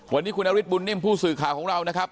วันนี้คุณนฤทธบุญนิ่มผู้สื่อข่าวของเรานะครับ